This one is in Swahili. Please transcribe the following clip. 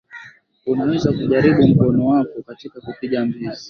Unaweza kujaribu mkono wako katika kupiga mbizi